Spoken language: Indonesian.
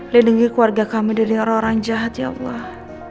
lih denggir keluarga kami dari orang orang jahat ya allah